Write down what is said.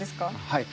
はい。